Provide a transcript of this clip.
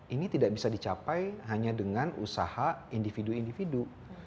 ini tidak bisa dicapai hanya dengan usaha individu individu